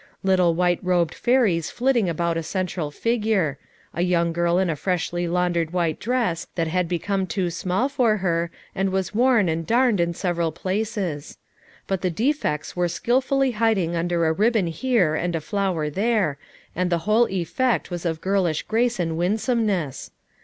Little white robed fairies flitting about a central figure — a young girl in a freshly laundered white dress that had become too small for her, and was worn and darned in several places. But the defects were skillfully hiding under a ribbon here and a flower there, and the whole effect was of girlish grace and winsomeness.